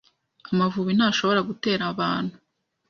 Amavubi ntashobora gutera abantu.